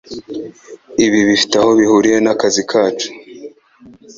Ibi bifite aho bihuriye nakazi kacu?